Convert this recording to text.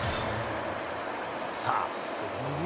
さあという事でね